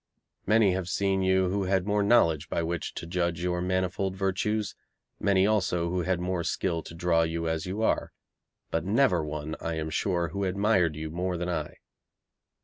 Many have seen you who had more knowledge by which to judge your manifold virtues, many also who had more skill to draw you as you are, but never one, I am sure, who admired you more than I.